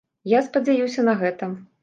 Я спадзяюся на гэта.